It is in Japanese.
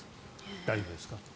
大丈夫ですか？